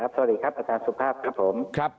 สวัสดีครับอาสานสุภาพ